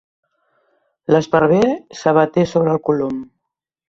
L'esparver s'abaté sobre el colom.